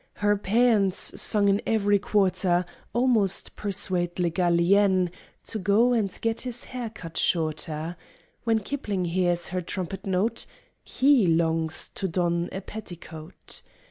Her pæans, sung in ev'ry quarter, Almost persuade Le Gallienne To go and get his hair cut shorter; When Kipling hears her trumpet note He longs to don a petticoat.